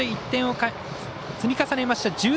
１点を積み重ねました。